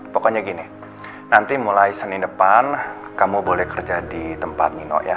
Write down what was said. pokoknya gini nanti mulai senin depan kamu boleh kerja di tempat nino ya